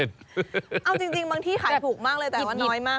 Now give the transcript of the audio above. เอาจริงบางที่ขายถูกมากเลยแต่ว่าน้อยมาก